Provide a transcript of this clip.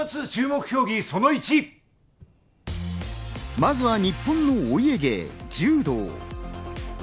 まずは日本のお家芸、柔道。